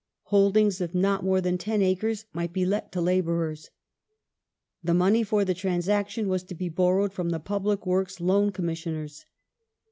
Holdings of not more than ten acres might be let to labourei s. The money for the transaction was to be borrowed from the Public Works Loan Commissioners.